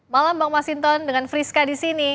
malam bang masinton dengan friska di sini